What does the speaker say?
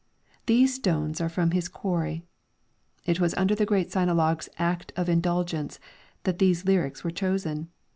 "" These stones are from his quarry ; it was under the great Sinologue"'s Act of Indulgence that these lyrics were chosen.